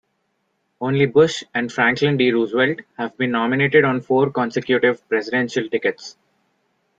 Only Bush and Franklin D. Roosevelt have been nominated on four consecutive presidential tickets.